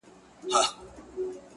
تالنده برېښنا يې خــوښـــــه ســوېده.